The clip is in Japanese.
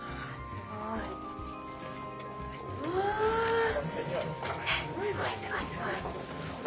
すごいすごいすごい。